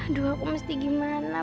aduh aku mesti gimana